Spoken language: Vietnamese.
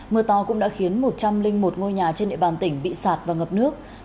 mưa to cũng đã khiến một trăm linh một ngôi nhà trên địa bàn tỉnh bị sạt và ngập nước